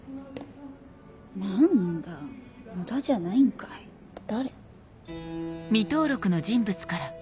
何だ野田じゃないんかい誰？